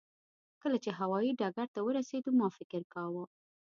کله چې هوایي ډګر ته ورسېدو ما فکر کاوه.